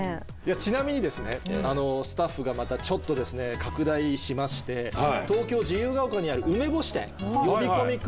ちなみにスタッフがまたちょっと拡大しまして東京・自由が丘にある。